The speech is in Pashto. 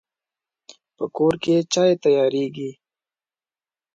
په کور کې چای تیاریږي